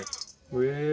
へえ。